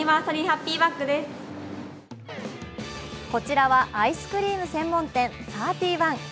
こちらはアイスクリーム専門店、サーティワン。